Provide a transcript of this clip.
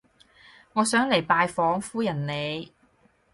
我想嚟拜訪夫人你